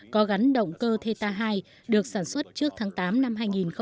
có gắn động cơ theta hai được sản xuất trước tháng tám năm hai nghìn một mươi ba